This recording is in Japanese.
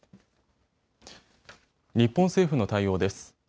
日本政府の対応です。